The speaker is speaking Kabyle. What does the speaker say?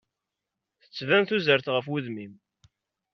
Tettban tuzert ɣef udem-im.